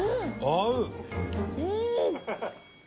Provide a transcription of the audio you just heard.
合う！